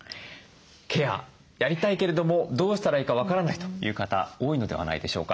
ケアやりたいけれどもどうしたらいいか分からないという方多いのではないでしょうか。